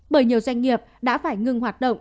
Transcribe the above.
bởi nhiều doanh nghiệp đã phải ngừng hoạt động